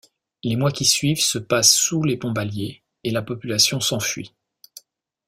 Les mois qui suivent se passent sous les bombes alliées et la population s'enfuit.